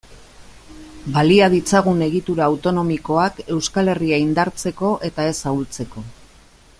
Balia ditzagun egitura autonomikoak Euskal Herria indartzeko eta ez ahultzeko.